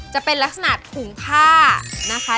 จะเป็นลักษณะขุมค่านะคะ